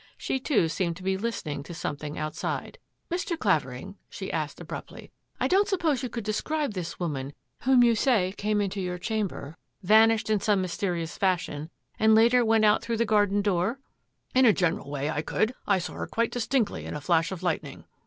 She, too, seemed to be listening to some thing outside. " Mr. Clavering," she asked abruptly, " I don't suppose you could describe this woman whom you say came Into your chamber, vanished In some mysterious fashion, and later went out through the garden door? "" In a general way I could. I saw her quite distinctly in a flash of lightning."